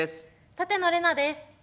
舘野伶奈です。